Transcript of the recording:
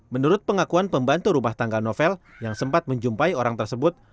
menurut pengakuan pembantu rumah tangga novel yang sempat menjumpai orang tersebut